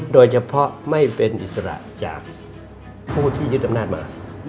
โดยเฉพาะไม่เป็นอิสระจากผู้ที่ยึดอำนาจมา